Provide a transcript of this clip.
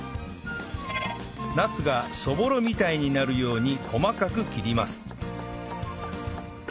ナスがそぼろみたいになるように細かく切ります